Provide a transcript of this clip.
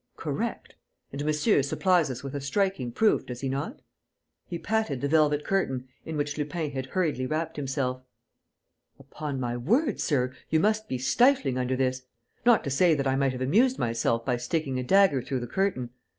Correct! And monsieur supplies us with a striking proof, does he not?" He patted the velvet curtain in which Lupin had hurriedly wrapped himself: "Upon my word, sir, you must be stifling under this! Not to say that I might have amused myself by sticking a dagger through the curtain.